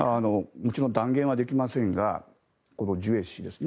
もちろん断言はできませんがジュエ氏ですね。